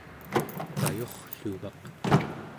kayurrlugaq